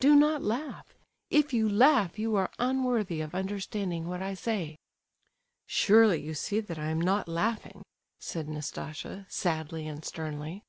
Do not laugh; if you laugh you are unworthy of understanding what I say." "Surely you see that I am not laughing," said Nastasia, sadly and sternly.